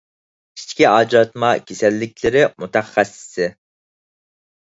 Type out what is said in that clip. ئىچكى ئاجراتما كېسەللىكلىرى مۇتەخەسسىسى